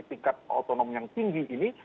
sehingga untuk melakukan komunikasi politik